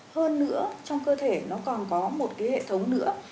hơn nữa trong cơ thể nó còn có một cái hệ thống nữa